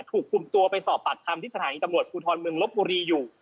ถูกคุมตัวไปสอบปากคำที่สถานีตำรวจภูทรเมืองลบบุรีอยู่